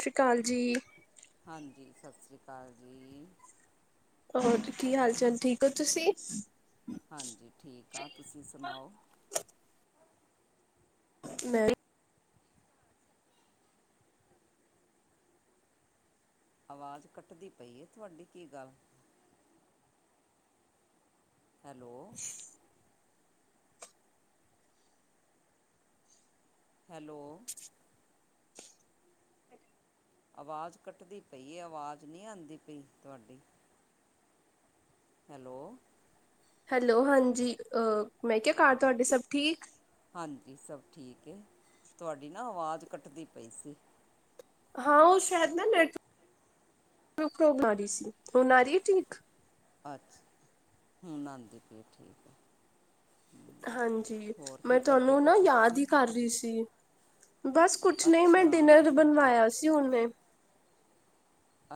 ਸਸ਼੍ਰੀ ਅਕਾਲ ਜੀ। ਹਾਂਜੀ ਸਤਿ ਸ਼੍ਰੀ ਅਕਾਲ ਜੀ। ਹੋਰ ਕੀ ਹਾਲ ਚਾਲ ਠੀਕ ਹੋ? [unintelligible] ਹਾਂਜੀ ਠੀਕ ਹਾਂ ਤੁਸੀ ਸੁਣਾਓ। ਮੈਂ ਵੀ ਅਵਾਜ਼ ਕੱਟਦੀ ਪਈ ਏ ਤੁਹਾਡੀ ਕੀ ਗੱਲ? ਹੈਲੋ। [inaudible] ਹੈਲੋ। ਅਵਾਜ਼ ਕੱਟਦੀ ਪਈ ਏ ਅਵਾਜ਼ ਨੀ ਆਉਂਦੀ ਪਈ ਤੁਹਾਡੀ। ਹੈਲੋ। ਹੈਲੋ ਹਾਂਜੀ ਅ ਮੈਂ ਕਿਹਾ ਘਰ ਤੁਹਾਡੇ ਸਭ ਠੀਕ? ਹਾਂਜੀ ਸਭ ਠੀਕ ਏ, ਤੁਹਾਡੀ ਨਾ ਅਵਾਜ਼ ਕੱਟਦੀ ਪਈ ਸੀ। ਹਾਂ ਉਹ ਸ਼ਾਇਦ ਨਾ ਨੈਟ ਮ ਆ ਰਹੀ ਸੀ, ਹੁਣ ਆ ਰਹੀ ਏ ਠੀਕ? ਅੱਛਾ ਹੁਨ ਆਂਦੀ ਪੀ ਏ ਠੀਕ। ਹਾਂਜੀ ਹੋਰ ਕੀ ਮੈਂ ਕਰਦੇ ਤੁਹਾਨੂੰ ਪਏ ਨਾ ਸੀ ਯਾਦ ਤੁਸੀਂ ਹੀ ਕਰ ਰੀ ਸੀ। ਬਸ ਕੁਛ ਨਹੀਂ ਮੈਂ ਅੱਛਾ ਡਿਨਰ ਬਣਵਾਇਆ ਸੀ ਹੁਨੇ।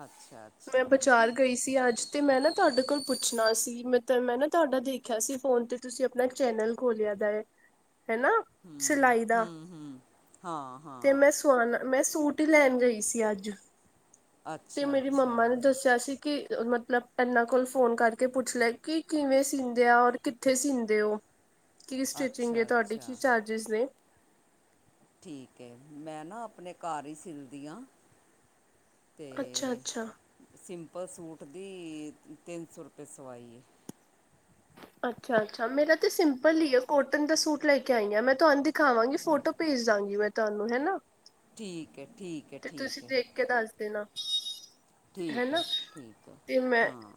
ਅੱਛਾ ਮੈਂ ਅੱਛਾ ਬਜਾਰ ਗਈ ਸੀ ਅੱਜ। ਤੇ ਮੈਂ ਨਾ ਤੁਹਾਡੇ ਕੋਲ ਪੁੱਛਣਾ ਸੀ, ਮੈਂ ਤ ਮੈਂ ਨਾ ਤੁਹਾਡਾ ਦੇਖਿਆ ਸੀ ਫੋਨ ਤੇ ਤੁਸੀ ਅਪਣਾ ਚੈਨਲ ਖੋਲਿਆ ਦਾ ਏ। ਹੈਨਾ ਹੂੰ ਸਿਲਾਈ ਦਾ ਹੂੰ ਹੂੰ ਹਾਂ ਤੇ ਹਾਂ ਮੈਂ ਸੁਆਣਾ ਮੈਂ ਸੂਟ ਤੇ ਲੈਣ ਗਈ ਸੀ ਅੱਜ। ਤੇ ਅੱਛਾ। ਮੇਰੀ ਮੰਮਾ ਅੱਛਾ ਨੇ ਦੱਸਿਆ ਸੀ। ਕਿ ਮਤਲਬ ਇਹਨਾਂ ਕੋਲ ਫੋਨ ਕਰਕੇ ਪੁੱਛ ਲੈ, ਕਿ ਕਿਵੇਂ ਸੀਂਦੇ ਆ ਔਰ ਕਿੱਥੇ ਸੀਂਦੇ ਔ? ਕੀ ਸਟਿਚਿੰਗ ਏ ਅੱਛਾ ਤੁਹਾਡੀ ਕੀ ਅੱਛਾ ਚਾਰਜਿਸ ਨੇ? ਠੀਕ ਹੈ, ਮੈਂ ਨਾ ਅਪਣੇ ਘਰ ਹੀ ਸਿਲਦੀ ਆਂ। ਅੱਛਾ ਤੇ ਅੱਛਾ ਸਿੰਪ ਪਰ ਸੂਟ ਦੀ ਤਿੰਨ ਸੌ ਰੁਪਏ ਸਵਾਈ ਏ। ਅੱਛਾ ਅੱਛਾ ਮੇਰਾ ਤੇ ਸਿੰਪਲ ਹੀ ਆ ਕੋਟਨ ਦਾ ਸੂਟ ਲੈਕੇ ਆਈ ਆ ਮੈਂ ਤੁਹਾਨੂੰ ਦਿਖਾਵਾਂਗੀ ਫੋਟੋ ਭੇਜ ਦਾਂਗੀ ਮੈਂ ਤੁਹਾਨੂੰ ਹੈ ਨਾ। ਠੀਕ ਹੈ। ਠੀਕ ਹੈ ਤੇ ਠੀਕ ਤੁਸੀਂ ਹੈ ਦੇਖ ਕੇ ਦੱਸ ਦੇਨਾ। ਠੀਕ ਹੈਨਾ, ਹੈ ਠੀਕ ਹੈ ਤੇ ਮੈਂ ਹਾਂ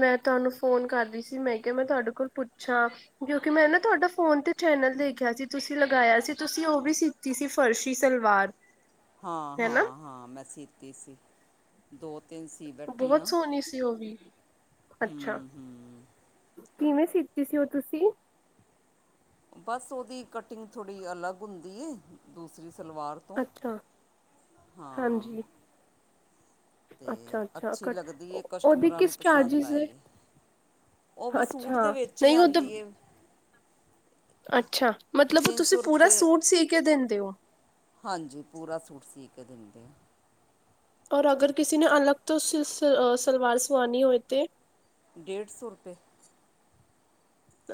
ਮੈਂ ਤੁਹਾਨੂੰ ਫੋਨ ਕਰਦੀ ਸੀ ਮੈਂ ਕਿਹਾ ਮੈਂ ਤੁਹਾਡੇ ਕੋਲ ਪੁੱਛਾਂ, ਕਿਉਂਕਿ ਮੈਂ ਨਾ ਤੁਹਾਡਾ ਫੋਨ ਤੇ ਚੈਨਲ ਦੇਖਿਆ ਸੀ, ਤੁਸੀਂ ਲਗਾਇਆ ਸੀ ਤੁਸੀਂ ਉਹ ਵੀ ਸੀਤੀ ਸੀ ਫਰਸ਼ੀ ਸਲਵਾਰ। ਹਾਂ ਹੈਨਾ ਹਾਂ ਹਾਂ ਮੈਂ ਸੀਤੀ ਸੀ। ਦੋ ਤਿੰਨ ਸੀ ਬੈਠੀ ਬਹੁਤ ਆਂ। ਸੋਹਣੀ ਸੀ ਉਹ ਵੀ ਅੱਛਾ ਕਿਵੇਂ ਸਚ ਸਿਤੀ ਸੀ ਔ ਤੁਸੀਂ। ਬਸ ਉਹਦੀ ਕਟਿੰਗ ਥੋੜ੍ਹੀ ਅਲੱਗ ਹੁੰਦੀ ਏ, ਦੂਸਰੀ ਸਲਵਾਰ ਤੋਂ, ਅੱਛਾ ਹਾਂ ਹਾਂਜੀ ਤੇ ਅੱਛਾ ਅੱਛਾ ਅੱਛੀ ਕ ਲੱਗਦੀ ਉਹਦੇ ਕਸਟਮਰਾਂ ਨੂੰ ਕਿਸ ਪਸੰਦ ਚਾਰਜਿਸ ਨੇ ਆਈ ਹੈ, ਔ ਵੀ ਸੂਟ ਅੱਛਾ ਦੇ ਵਿੱਚ ਹੀ ਨਹੀਂ ਉਹ ਤਾਂ ਆਉਂਦੀ ਏ। ਅੱਛਾ ਮਤਲਬ ਤਿੰਨ ਤੁਸੀਂ ਸੌ ਪੂਰਾ ਰੁਪਏ ਸੂਟ ਸੀ ਕੇ ਦੇਂਦੇ ਹੋ। ਕਦਿੰ ਦੇ [inaudible] ਔਰ ਅਗਰ ਕਿਸੀ ਨੇ ਅਲੱਗ ਤੋਂ, ਸਲਵਾਰ ਸਵਾਨੀ ਹੋਏ ਤੇ। ਡੇਢ ਸੌ ਰੁਪਏ।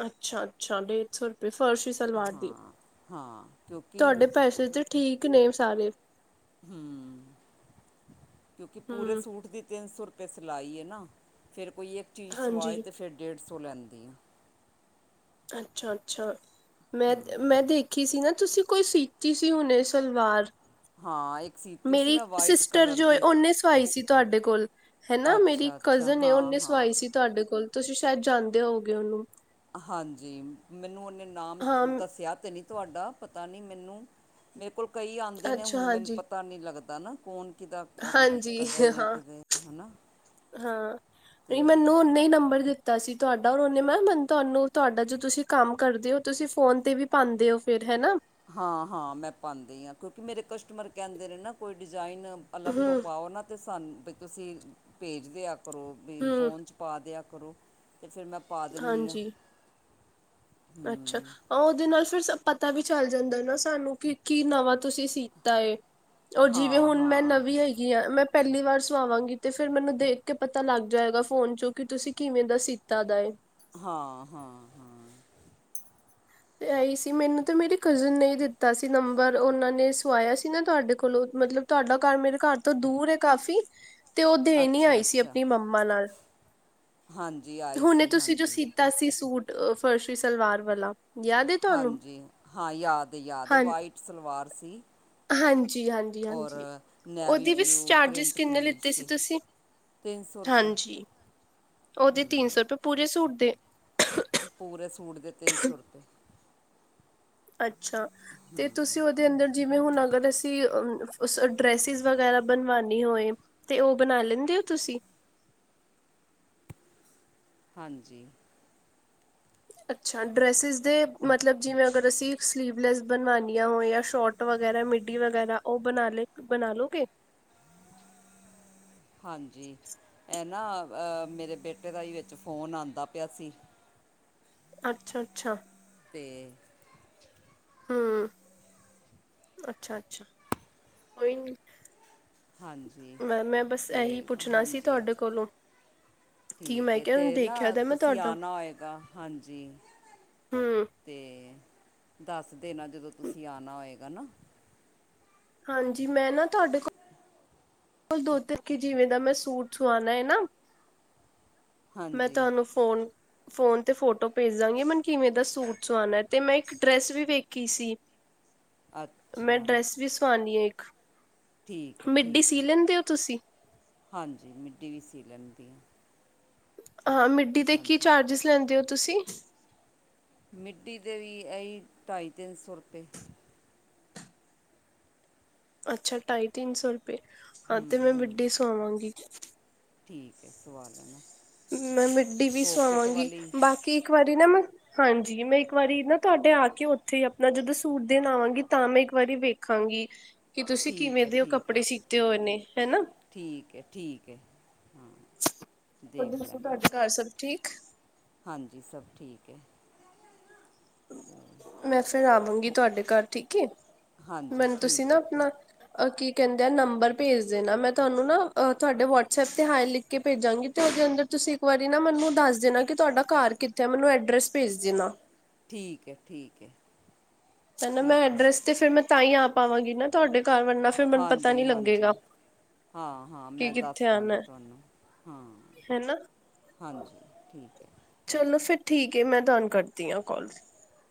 ਅੱਛਾ ਅੱਛਾ ਡੇਢ ਸੌ ਰੁਪਏ। ਫਰਸ਼ੀ ਸਲਵਾਰ ਦੀ ਹਾਂ ਹਾਂ ਕਿਉਂਕਿ ਤੁਹਾਡੇ ਪੈਸੇ ਤੇ ਠੀਕ ਨੇ, ਤਾਰਫ ਹੂੰ, ਕਿਉਂਕਿ ਪੂਰੇ ਹਮ ਸੂਟ ਦੀ ਤਿੰਨ ਸੌ ਰੁਪਏ, ਸਲਾਈ ਏ ਨਾ ਫਿਰ, ਕੋਈ ਇੱਕ ਚੀਜ਼ ਸਵਾਏ ਹਾਂਜੀ ਤੇ ਫਿਰ ਡੇਢ, ਵਰਸੋਂ ਲੈਂਦੀਆਂ, ਅੱਛਾ-ਅੱਛਾ, ਮੈਂ-ਮੈਂ ਦੇਖੀ ਸੀ ਨਾ, ਤੁਸੀਂ ਕੋਈ ਸੀਤੀ ਸੀ ਹੁਣੇ ਸਲਵਾਰ, ਹਾਂ ਇੱਕ, ਸੀਤੀ ਸੀ ਮੇਰੀ ਮੈਂ ਵਾਈਟ ਸਿਸਟਰ ਕਲਰ ਜੋ ਦੀ ਉਹਨੇ ਸਵਾਈ ਸੀ? ਤੁਹਾਡੇ ਕੋਲ, ਹਨਾ ਮੇਰੀ ਅੱਛਾ ਅੱਛਾ ਕਜ਼ਨ ਹਾਂ ਉਹਨੇ ਸਵਾਈ ਹਾਂ ਸੀ ਤੁਹਾਡੇ ਕੋਲ? ਤੁਸੀਂ ਸ਼ਾਇਦ ਜਾਂਦੇ ਹੋਗੇ ਉਹਨੂੰ ਹਾਂਜੀ ਮੈਨੂੰ ਉਹਨੇ ਨਾਮ ਹਾਂ ਦੱਸਿਆ ਤੇ ਨੀ, ਤੁਹਾਡਾ ਪਤਾ ਨਹੀਂ ਮੈਨੂੰ ਮੇਰੇ ਕੋਲ, ਕਈ ਆਦੇ ਨੇ ਅੱਛਾ ਹੁਣ ਮੈਨੂੰ ਹਾਂਜੀ ਪਤਾ ਨੀ ਲੱਗਦਾ। ਨਾ ਕੌਣ, ਕਿਹਦਾ ਹਾਂਜੀ, ਕਜ਼ਨ ਹੈ ਹਾਂ-ਹਾਂ ਕਿਹਦੇ ਹੈ ਨਾ ਅਤੇ ਨਹੀਂ ਮੈਨੂੰ ਓਨੇ ਹੀ ਨੰਬਰ ਦਿੱਤਾ। ਤਾਂ ਅਸੀਂ ਤੁਹਾਡਾ ਮੈਮ ਤੁਹਾਨੂੰ ਤੁਹਾਡਾ ਜੋ ਤੁਸੀਂ ਕੰਮ ਕਰਦੇ ਹੋ ਤੁਸੀਂ ਫੋਨ 'ਤੇ ਵੀ ਪਾਦੇ ਹੋ ਫਿਰ ਹੈ ਨਾ, ਹਾਂ-ਹਾਂ ਮੈਂ ਪਾਦੀ ਹਾਂ ਕਿਉਂਕਿ ਮੇਰੇ ਕਸਟਮਰ ਕਹਿੰਦੇ ਨੇ ਨਾ ਕੋਈ, ਨ ਅਲੱਗ ਤੋਂ ਹੂੰ ਪਾ ਉਹਨਾਂ ਤੇ, ਸਾਨੂੰ ਵੀ ਤੁਸੀਂ ਭੇਜਦੇ ਆ। ਕਰੋ ਵੀ ਹੂੰ ਫੋਨ 'ਚ ਪਾ ਦਿਆ, ਕਰੋ। ਅਤੇ ਫਿਰ ਮੈਂ ਪਾ ਦਿੰਨੀ ਆ। ਹਾਂਜੀ ਅੱਛਾ ਉਹਦੇ ਨਾਲ ਫਿਰ, ਪਤਾ ਵੀ ਚੱਲ ਜਾਂਦਾ ਨਾ ਸਾਨੂੰ ਕੀ ਕੀ ਨਵਾਂ ਤੁਸੀਂ ਸੀਤਾ ਉਹ ਜਿਵੇਂ ਹਾਂ ਹੁਣ ਮੈਂ ਹਾਂ ਨਵੀਂ ਹੈਗੀ ਆ ਮੈਂ ਪਹਿਲੀ ਵਾਰ ਸੁਵਾਵਾਂਗੀ ਤੇ ਫਿਰ ਮੈਨੂੰ ਦੇਖ ਕੇ ਪਤਾ ਲੱਗ ਜਾਏਗਾ ਫੋਨ ਚੋਂ ਕਿ ਤੁਸੀਂ ਕਿਵੇਂ ਦਾ ਸੀਤਾ ਦਾ ਹੈ। ਹਾਂ-ਹਾਂ-ਹਾਂ, ਆਈ ਸੀ ਮੈਨੂੰ ਤੇ ਮੇਰੀ ਕਜ਼ਨ ਨੇ ਦਿੱਤਾ ਸੀ ਨੰਬਰ ਉਹਨਾਂ ਨੇ ਸਵਾਇਆ ਸੀ ਨਾ ਤੁਹਾਡੇ ਕੋਲੋਂ ਮਤਲਬ ਤੁਹਾਡਾ ਘਰ ਮੇਰੇ ਘਰ ਤੋਂ ਦੂਰ ਹੈ ਕਾਫ਼ੀ, ਤੇ ਉਹ ਦੇਣ ਹੀ ਅੱਛਾ ਆਈ ਸੀ ਅੱਛਾ ਆਪਣੀ ਮੰਮਾ ਨਾਲ ਹਾਂਜੀ ਆਈ ਹੁਣੇ ਸੀ ਤੁਸੀਂ ਜੋ ਹਾਂਜੀ ਸੀਤਾ ਸੀ ਸੂਟ ਅ ਫਰਸ਼ੀ ਸਲਵਾਰ ਵਾਲਾ, ਯਾਦ ਹੈ ਤੁਹਾਨੂੰ ਹਾਂਜੀ ਹਾਂ ਯਾਦ ਯਾਦ ਹਾਂ ਵਾਈਟ ਸਲਵਾਰ ਸੀ ਅਤੇ ਹਾਂਜੀ ਹਾਂਜੀ ਹਾਂਜੀ ਨੈਵੀ ਓਦੇ ਵੀ ਬਲੂ ਚਾਰਜਿਸ ਪ੍ਰਿੰਟ ਕਿੰਨੇ ਕਮੀਜ਼ ਲਤੇ ਸੀ ਤੁਸੀਂ ਤਿੰਨ ਸੌ ਰੁਪਏ ਹਾਂਜੀ ਓਦੇ ਤਿੰਨ ਸੋ ਰੁਪਏ ਪੂਰੇ ਸੂਟ ਤੇ ਪੂਰੇ ਸੂਟ ਦੇ ਤਿੰਨ ਸੌ ਰੁਪਏ ਅੱਛਾ ਅੱਛਾ ਤੇ ਤੁਸੀਂ ਉਹਦੇ ਅੰਦਰ ਜਿਵੇਂ ਹੁਣ ਅਗਰ ਅਸੀਂ ਡ੍ਰੈਸਿਸ ਵਗੈਰਾ ਬਣਵਾਾਨੀ ਹੋਏ ਤੇ ਉਹ ਬਣਾ ਲੈਂਦੇ ਹੋ ਤੁਸੀ ਹਾਂਜੀ ਅੱਛਾ ਡਰੈਸਿਸ ਦੇ ਮਤਲਬ ਜਿਵੇਂ ਅਗਰ ਅਸੀਂ ਸਲੀਵਲੈਸ ਬਣਵਾਉਾਨਆ ਹੋ ਜਾਂ ਸ਼ੋਟ ਵਗੈਰਾ ਮਿੱਡੀ ਵਗੈਰਾ ਉਹ ਬਣਾ ਲੈ ਬਣਾ ਲਉਗੇ ਹਾਂਜੀ ਇਹ ਨਾ ਅਹ ਮੇਰੇ ਬੇਟੇ ਦਾ ਹੀ ਵਿੱਚ ਫੋਨ ਆਉਂਦਾ ਪਿਆ ਸੀ ਅੱਛਾ ਅੱਛਾ ਪੇ ਹੂੰ ਅੱਛਾ ਅੱਛਾ ਕੋਈ ਨੀ [unintelligible] ਹਾਂਜੀ ਮੈਂ ਮੈਂ ਬਸ ਤੇ ਇਹੀ ਪੁੱਛਣਾ ਸੀ ਹਾਂਜੀ ਤੁਹਾਡੇ ਕੋਲੋਂ ਕੀ ਠੀਕ ਮੈਂ ਹੈ ਕਿਹਾ ਹੁਣ ਤੇ ਦੇਖਿਆ ਨਾ ਤਾਂ ਮੈਂ ਤੁਸੀਂ ਤੁਹਾਡਾ ਆਣਾ ਹੋਏਗਾ ਹਾਂਜੀ ਹਮ ਤੇ ਦੱਸ ਦੇ ਨਾ ਜਦੋਂ ਤੁਸੀਂ ਆਉਣਾ ਹੋਏਗਾ ਨਾ ਹਾਂਜੀ ਮੈਂ ਨਾ ਤੁਹਾਡੇ ਕੋਲ ਮ ਕੋਲ ਦੋ ਤਖੀ ਜੀਵੇਂ ਦਾ ਮੈਂ ਸੂਟ ਸੁਆਣਾ ਹੈ ਨਾ [unintelligible] ਮੈਂ ਹਾਂਜੀ ਤੁਹਾਨੂੰ ਫੋਨ ਫੋਨ ਤੇ ਫੋਟੋ ਭੇਜ ਦਾਂਗੀ, ਮੈਂ ਕਿਵੇਂ ਦਾ ਸੂਟ ਸੁਵਾਣਾ, ਤੇ ਮੈਂ ਇੱਕ ਡ੍ਰੈਸ ਵੀ ਵੇਖੀ ਸੀ। ਮੈਂ ਅੱਛਾ ਡਰੈਸ ਵੀ ਸਵਾਉਣੀ ਏ ਇੱਕ ਠੀਕ ਹੈ, ਮਿੱਡੀ ਠੀਕ ਸੀ ਹੈ। ਲੈਂਦੇ ਹੋ ਤੁਸੀਂ ਹਾਂਜੀ, ਮਿੱਡੀ ਵੀ ਸੀ ਲੈਂਦੀ ਹਾਂ। ਹਾਂ, ਮਿੱਡੀ ਦੇ ਕੀ ਹਾਂਜੀ ਚਾਰਜਿਸ ਲੈਂਦੇ ਹੋ। ਤੁਸੀਂ ਮਿੱਡੀ ਦੇ ਵੀ ਐਹੀ, ਢਾਈ ਤਿੰਨ ਸੌ ਰੁਪਏ ਅੱਛਾ, ਢਾਈ ਤਿੰਨ ਸੋ ਰ ਹਾਂ, ਤੇ ਮੈਂ ਮੀਡੀ ਸੁਆਵਾਂਗੀਂ ਠੀਕ ਹੈ, ਸਿਵਾ ਲੈਣਾ ਮੈਂ ਮਿੱਡੀ ਵੀ ਪੋਕਿਟ ਸਵਾਵਾਂਗੀ, ਵਾਲੀ ਬਾਕੀ ਇੱਕ ਵਾਰੀ ਨਾ ਮੈਂ ਹਾਂਜੀ, ਮੈਂ ਇੱਕ ਵਾਰੀ ਨਾ ਤੁਹਾਡੇ ਆ ਕੇ, ਉੱਥੇ ਆਪਣਾ ਜਦੋਂ ਸੂਟ ਦੇਣ ਆਵਾਂਗੀ, ਤਾਂ ਮੈਂ ਇੱਕ ਵਾਰੀ ਵੇਖਾਂਗੀ। ਕਿ ਤੁਸੀਂ ਠੀਕ ਕਿਵੇਂ ਹੈ ਦੇ ਉਹ ਠੀਕ ਹੈ ਕੱਪੜੇ ਸੀਤੇ ਹੋਏ ਨੇ, ਹੈਨਾ। ਠੀਕ ਹੈ ਠੀਕ ਹੈ ਹੋਰ ਦੇਖ ਦੱਸੋ, ਲੈਣਾ ਤੁਹਾਡੇ ਘਰ ਸਭ ਠੀਕ ਹਾਂਜੀ, ਸਭ ਠੀਕ ਹੈ। ਮੈਂ ਫਿਰ ਆਵਾਂਗੀ ਹੋ ਤੁਹਾਡੇ ਘਰ ਠੀਕ ਹੈ, ਹਾਂਜੀ ਮੈਨੂੰ ਤੁਸੀਂ ਠੀਕ ਨਾ ਹੈ ਠੀ ਆਪਣਾ, ਅ, ਕੀ ਕਹਿੰਦੇ ਆ ਨੰਬਰ ਭੇਜ ਦੇਣਾ। ਮੈਂ ਤੁਹਾਨੂੰ ਨਾ ਤੁਹਾਡੇ ਵਟਸਐਪ 'ਤੇ ਹਾਏ ਲਿਖ ਕੇ ਭੇਜਾਂਗੀ ਤੇ ਉਹਦੇ ਅੰਦਰ ਤੁਸੀਂ ਇੱਕ ਵਾਰੀ ਨਾ ਮੈਨੂੰ ਦੱਸ ਦੇਣਾ ਕਿ ਤੁਹਾਡਾ ਘਰ ਕਿੱਥੇ ਆ, ਮੈਨੂੰ ਐਡਰੈੱਸ ਭੇਜ ਦੇਣਾ। ਠੀਕ ਹੈ, ਠੀਕ ਹੈ। ਚਲੋ, ਮੈਂ ਠੀਕ ਹੈ ਐਡਰੈੱਸ ਤੇ ਫਿਰ ਮੈਂ ਤਾਂ ਹੀ ਆ ਪਾਵਾਂਗੀ ਨਾ ਤੁਹਾਡੇ ਘਰ ਵਰਨਾ ਫਿਰ ਮੈਨੂੰ ਪਤਾ ਹਾਂਜੀ ਨੀ ਹਾਂਜੀ, ਲੱਗੇਗਾ ਹਾਂ ਹਾਂ, ਕਿ ਮੈਂ ਦੱਸ ਕਿੱਥੇ ਦਾਂਗੀ ਆਣਾ ਤੁਹਾਨੂੰ, ਹਾਂ, ਹਨਾ ਹਾਂਜੀ, ਠੀਕ ਹੈ ਚਲੋ ਫਿਰ ਠੀਕ ਹੈ, ਮੈਂ ਤੁਹਾਨੂੰ ਕਰਦੀ ਹਾਂ ਕਾਲ।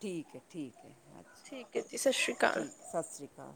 ਠੀਕ ਹੈ, ਠੀਕ ਹੈ। ਅੱਛਾ ਠੀਕ ਹੈ ਜੀ, ਸਤਿ ਸ੍ਰੀ ਅਕਾਲ ਠੀਕ ਸਤਿ ਸ਼੍ਰੀ ਅਕਾਲ